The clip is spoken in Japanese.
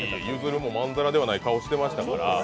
ゆずるもまんざらではない顔をしてましたから。